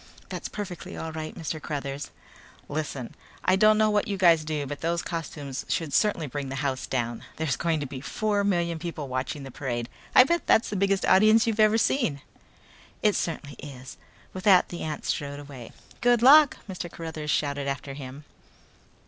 "That's perfectly all right, Mr. Cruthers." "Listen, I don't know what you guys do but those costumes should certainly bring the house down. There's going to be four million people watching this parade. I bet that's the biggest audience you've ever seen." "It certainly is." With that the ant strode away. "Good luck!" Mr. Cruthers shouted after him.